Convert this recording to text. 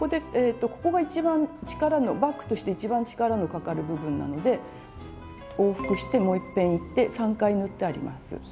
ここが一番バッグとして一番力のかかる部分なので往復してもういっぺんいって３回縫ってあります。